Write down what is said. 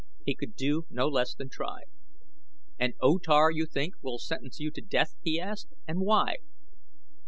He could do no less than try. "And O Tar you think will sentence you to death?" he asked; "and why?"